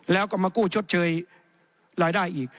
แล้วก็มากู้ชดเชยรายได้อีก